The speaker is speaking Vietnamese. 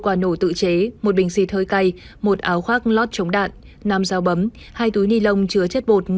một quả nổ tự chế một bình xịt hơi cay một áo khoác lót chống đạn năm dao bấm hai túi ni lông chứa chất bột